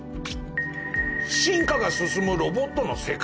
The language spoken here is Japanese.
進化が進むロボットの世界。